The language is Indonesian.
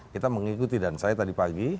kita mengikuti dan saya tadi pagi